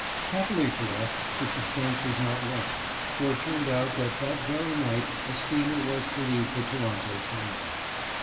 Happily for us the suspense was not long, for it turned out that that very night a steamer was to leave for Toronto, Canada.